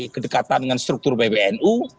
kedekatan dengan struktur pbnu